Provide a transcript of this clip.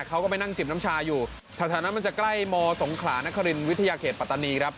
เขาก็ไปนั่งจิบน้ำชาอยู่ถังทางนั้นมันจะใกล้หมอสงขลานาคารินวิทยาเขตปรัตภัณฑ์ครับ